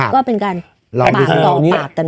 ก็เป็นการลองปากกันไป